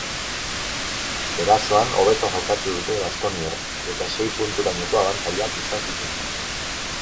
Erasoan hobeto jokatu dute baskoniarrek eta sei punturainoko abantailak izan zituzten.